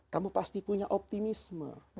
kamu pasti punya optimisme